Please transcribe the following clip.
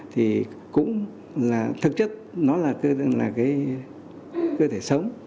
thì cũng là thực chất nó là cái cơ thể sống